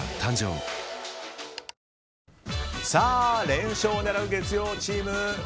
連勝を狙う月曜チーム。